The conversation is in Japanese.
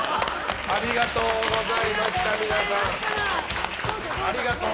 ありがとうございました、皆さん。